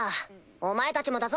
お前たちもだぞ！